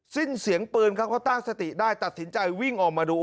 สิ้นเสียงปืนครับเขาตั้งสติได้ตัดสินใจวิ่งออกมาดู